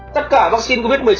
tất cả vaccine covid một mươi chín